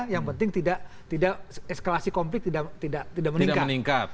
yang penting tidak eskalasi konflik tidak meningkat